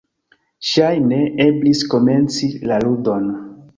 Ŝajne, eblis komenci la ludon.